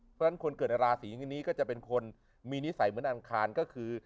เพราะฉะนั้นคนเกิดราศีทีนี้ก็จะเป็นคนมีนิสัยเหมือนอังคารก็คือ